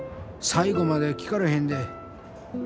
最後まで聴かれへんで。